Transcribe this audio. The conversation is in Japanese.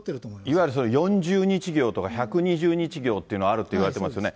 いわゆる４０日行とか１２０日行っていうのはあるといわれてますよね。